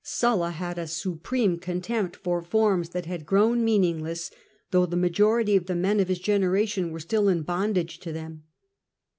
Sulla had a supreme contempt for forms that had grown meaningless, though the majority of the men of his generation were still in bondage to them.